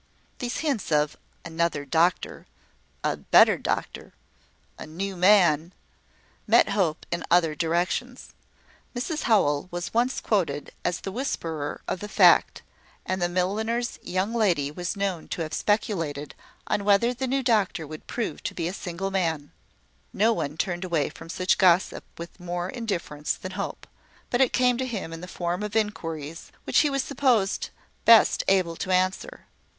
These hints of "another doctor" "a better doctor" "a new man" met Hope in other directions. Mrs Howell was once quoted as a whisperer of the fact; and the milliner's young lady was known to have speculated, on whether the new doctor would prove to be a single man. No one turned away from such gossip with more indifference than Hope; but it came to him in the form of inquiries which he was supposed best able to answer.